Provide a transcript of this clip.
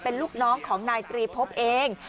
เป็นลูกน้องของนายตรีพบเอง